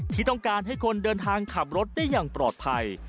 ที่ต้องการให้คนเดินทางขับรถได้อย่างปลอดภัย